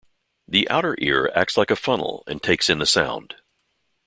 The outer ear acts like a funnel and takes in the sound.